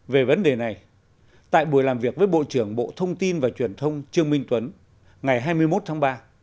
về vấn đề này tại buổi làm việc với bộ trưởng bộ thông tin và truyền thông trương minh tuấn ngày hai mươi một tháng ba